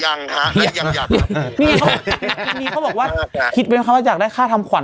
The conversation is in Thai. ยังอยากนี่เขาบอกว่าคิดเป็นคำว่าอยากได้ค่าทำขวัญ